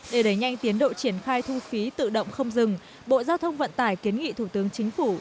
để đẩy nhanh tiến độ triển khai thu phí tự động không dừng bộ giao thông vận tải kiến nghị thủ tướng chính phủ